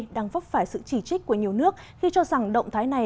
đang vấp phải sự chỉ trích của nhiều nước khi cho rằng động thái này